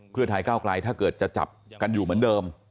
เพื่อไทยก้าวไกลถ้าเกิดจะจับกันอยู่เหมือนเดิม